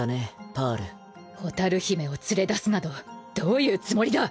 パー蛍姫を連れ出すなどどういうつもりだ！